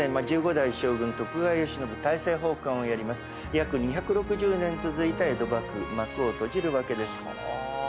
約２６０年続いた江戸幕府幕を閉じるわけです。